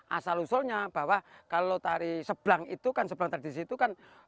asal usulnya bahwa kalau tari sebelang itu kan sebelang tradisi itu kan